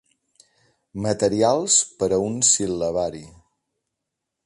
«Materials per a un sil·labari».